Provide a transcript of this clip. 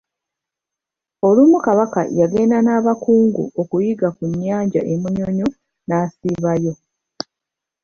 Olumu Kabaka yagenda n'abakungu okuyigga ku nnyanja e Munyonyo n'asiibayo.